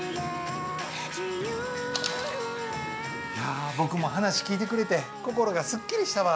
いやぁ、僕も話聞いてくれて、心がすっきりしたわ。